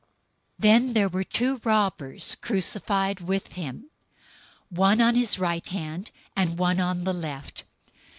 027:038 Then there were two robbers crucified with him, one on his right hand and one on the left.